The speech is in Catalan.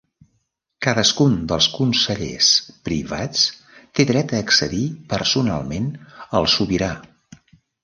Cadascun dels Consellers Privats té dret a accedir personalment al Sobirà.